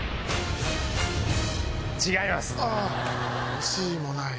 惜しい！もない。